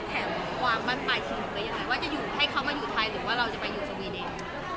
หรือให้เข้ามาอยู่ไทยหรือว่าเราจะไปอยู่สวีเดน